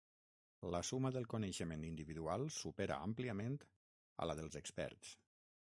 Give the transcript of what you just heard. La suma del coneixement individual supera àmpliament a la dels experts.